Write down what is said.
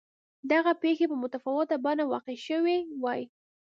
دغه پېښې په متفاوته بڼه واقع شوې وای.